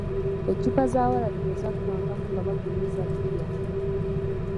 Eccupa za waragi bwe zaggwangamu nga bagula eza bbiya.